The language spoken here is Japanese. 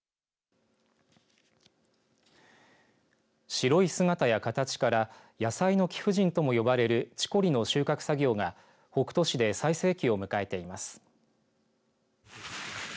白い姿や形から野菜の貴婦人とも呼ばれるチコリの収穫作業が北斗市で最盛期を迎えています。